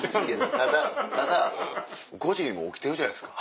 ただただ５時にもう起きてるじゃないですか。